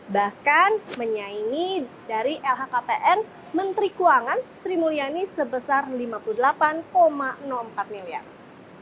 bahkan menyaingi dari lhkpn menteri keuangan sri mulyani sebesar lima puluh delapan empat miliar